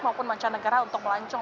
maupun mancanegara untuk melancong